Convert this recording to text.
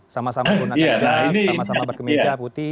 sama sama gunakan jas sama sama berkemeja putih